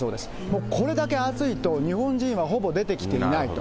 もうこれだけ暑いと、日本人はほぼ出てきていないと。